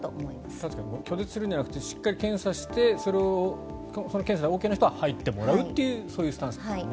確かに拒絶するんじゃなくてしっかり検査をしてその検査でＯＫな人は入っていただくというそういうスタンスですよね。